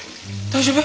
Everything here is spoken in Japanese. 大丈夫？